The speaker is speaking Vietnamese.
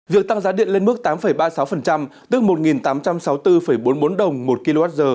việc tăng giá điện lên mức tám ba mươi sáu tức một tám trăm sáu mươi bốn bốn mươi bốn đồng một kwh